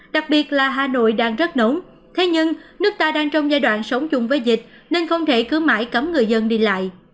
đặc biệt là hà nội đang rất nóng thế nhưng nước ta đang trong giai đoạn sống chung với dịch nên không thể cứ mãi cấm người dân đi lại